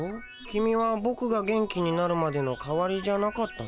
キミはボクが元気になるまでの代わりじゃなかったの？